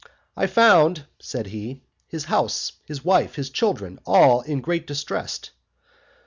I found, said he, his house, his wife, his children, all in great distress.